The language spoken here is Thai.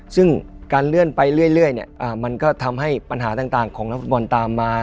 ซึ่งการเลื่อนไปเรื่อยมันก็ทำให้ปัญหาต่างของนักฟุตบอลตามมา